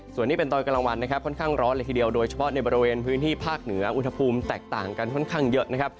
ส่วนนี้เป็นตรอยกำลังวันค่อนข้างร้อนเหลือทีเดียวโดยเฉพาะในบริเวณพื้นที่ภาคเหนืออุทธภูมิแตกต่างกันค่อนข้างเยอะ